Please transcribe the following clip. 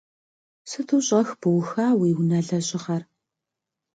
Сыту щӏэх быуха уи унэ лъэжьыгъэр.